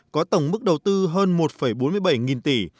có tổng mức đầu tư hơn một bốn mươi bảy nghìn tỷ